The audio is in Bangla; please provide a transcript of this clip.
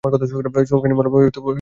চুলকানির মলম কোথায় পেতে পারি?